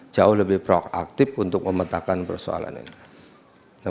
jauh lebih proaktif untuk memetakan persoalan ini